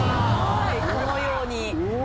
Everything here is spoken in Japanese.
このように。